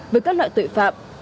với các loại tội phạm